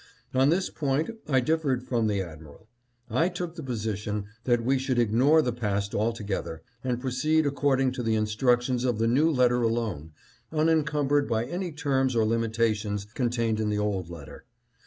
On this point I differed from the admiral. I took the position that we should ignore the past alto gether, and proceed according to the instructions of the new letter alone, unencumbered by any terms or limita tions contained in the old letter.